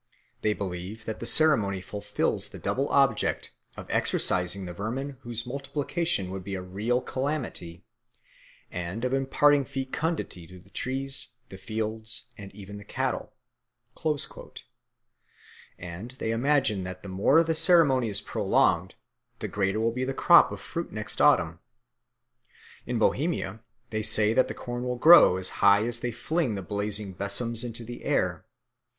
"They believe that the ceremony fulfills the double object of exorcising the vermin whose multiplication would be a real calamity, and of imparting fecundity to the trees, the fields, and even the cattle"; and they imagine that the more the ceremony is prolonged, the greater will be the crop of fruit next autumn. In Bohemia they say that the corn will grow as high as they fling the blazing besoms into the air.